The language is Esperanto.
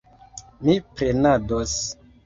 Mi prenados.